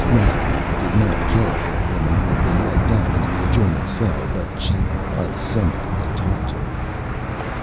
Rastignac did not care for the woman who had been let down into the adjoining cell, but she was somebody to talk to.